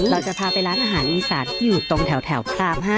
เราจะพาไปร้านอาหารอีสานที่อยู่ตรงแถวพราม๕